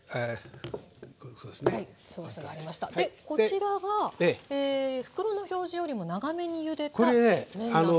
でこちらが袋の表示よりも長めにゆでた麺なんです。